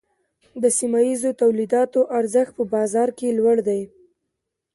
د سیمه ییزو تولیداتو ارزښت په بازار کې لوړ دی۔